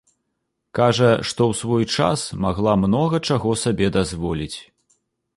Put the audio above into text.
Кажа, што ў свой час магла многа чаго сабе дазволіць.